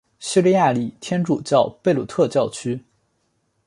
叙利亚礼天主教贝鲁特教区。